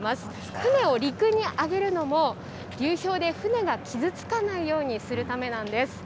船を陸に揚げるのも、流氷で船が傷つかないようにするためなんです。